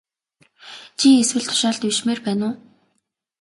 Чи эсвэл тушаал дэвшмээр байна уу?